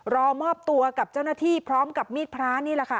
รอมอบตัวกับเจ้าหน้าที่พร้อมกับมีดพระนี่แหละค่ะ